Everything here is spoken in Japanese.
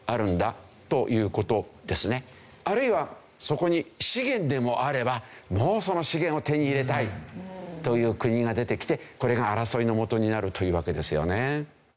あるいはそこに資源でもあればもうその資源を手に入れたいという国が出てきてこれが争いの元になるというわけですよね。